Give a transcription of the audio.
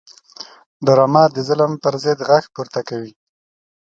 ډرامه د ظلم پر ضد غږ پورته کوي